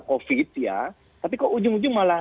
covid ya tapi kok ujung ujung malah